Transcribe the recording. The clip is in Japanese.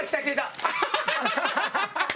ハハハハ！